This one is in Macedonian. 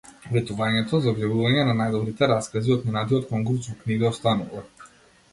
Ветувањето за објавување на најдобрите раскази од минатиот конкурс во книга останува.